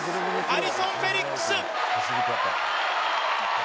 アリソン・フェリックス！